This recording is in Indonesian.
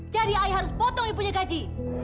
jadi saya harus potong gaji kamu